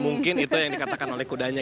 mungkin itu yang dikatakan oleh kudanya